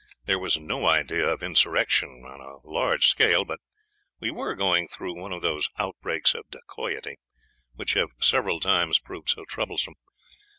There was no idea of insurrection on a large scale, but we were going through one of those outbreaks of Dacoity which have several times proved so troublesome.